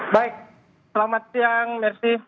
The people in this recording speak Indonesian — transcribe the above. baik selamat siang mersi